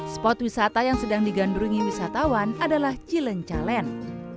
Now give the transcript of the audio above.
spot wisata yang sedang digandungi wisatawan adalah cilenca land